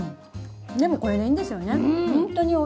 でも、これでいいんですよね。